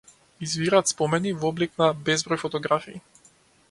Извираат спомени, во облик на безброј фотографии.